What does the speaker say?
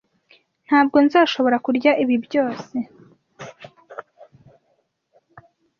Ntabwo nzashobora kurya ibi byose.